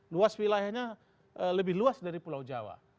luas wilayahnya lebih luas dari pulau jawa